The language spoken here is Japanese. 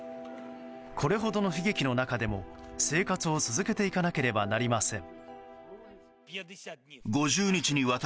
これだけの悲劇の中でも生活を続けていかなければなりません。